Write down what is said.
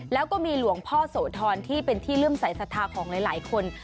แล้วก็มีหลวงพ่อโสธรที่เป็นที่เลื่อมสายศรัทธาของหลายคน